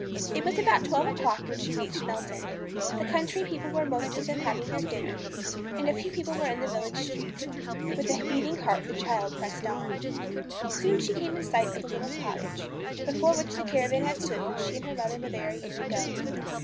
It was about twelve o'clock when she reached Melton. The country people were most of them having their dinner, and few people were in the village street. With a beating heart the child pressed on. Soon she came in sight of the little cottage, before which the caravan had stood when she and her mother were there a year ago.